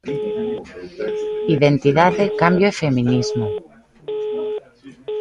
Identidade, cambio e feminismo.